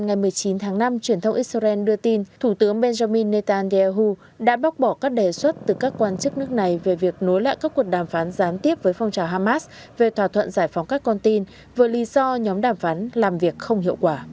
ngày một mươi chín tháng năm truyền thông israel đưa tin thủ tướng benjamin netanyahu đã bác bỏ các đề xuất từ các quan chức nước này về việc nối lại các cuộc đàm phán gián tiếp với phong trào hamas về thỏa thuận giải phóng các con tin với lý do nhóm đàm phán làm việc không hiệu quả